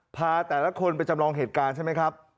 พาแต่ละคนไปจำลองเหตุการณ์ใช่ไหมครับ